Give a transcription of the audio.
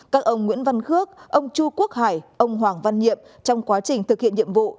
các ông nguyễn văn khước ông chu quốc hải ông hoàng văn nhiệm trong quá trình thực hiện nhiệm vụ